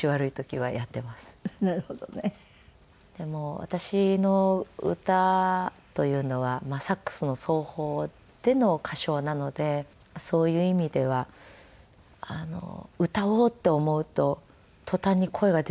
でも私の歌というのはサックスの奏法での歌唱なのでそういう意味では歌おうって思うと途端に声が出なくなるんですね。